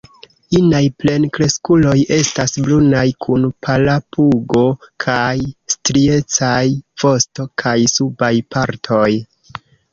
Inaj plenkreskuloj estas brunaj kun pala pugo, kaj striecaj vosto kaj subaj partoj.